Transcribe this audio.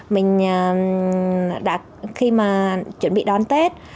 mình đã khi mà chuẩn bị đón tết